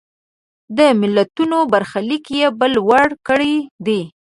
د ملتونو برخلیک یې بل وړ کړی دی.